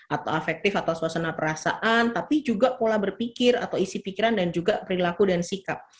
atau efektif atau suasana perasaan tapi juga pola berpikir atau isi pikiran dan juga perilaku dan sikap